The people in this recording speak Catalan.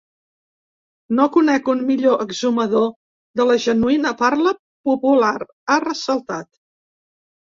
“No conec un millor exhumador de la genuïna parla popular”, ha ressaltat.